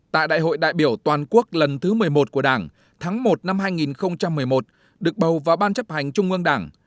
tại đại hội đại biểu toàn quốc lần thứ một mươi một của đảng tháng một năm hai nghìn một mươi một được bầu vào ban chấp hành trung ương đảng